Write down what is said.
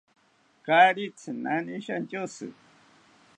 Kaari tzinani shantyoshi